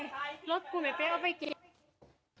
เฮ้ยรถคุณบิ๊กเอาไปเก็บ